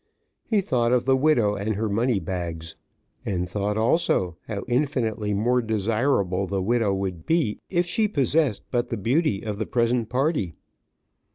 He thought of the widow and her money bags, and thought, also, how infinitely more desirable the widow would be, if she possessed but the beauty of the present party.